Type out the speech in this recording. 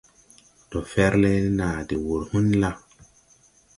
Ndo fer le na de wur hũn la?